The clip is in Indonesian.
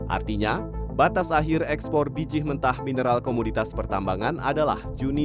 artinya batas akhir ekspor biji mentah mineral komoditas pertambangan adalah juni dua ribu dua puluh